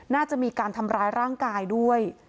น่าจะมีการทำร้ายร่างกายด้วย